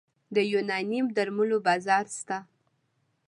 د یوناني درملو بازار شته؟